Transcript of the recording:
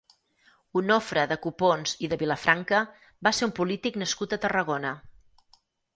Onofre de Copons i de Vilafranca va ser un polític nascut a Tarragona.